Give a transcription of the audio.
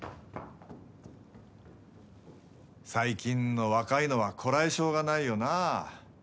最近の若いのはこらえ性がないよな。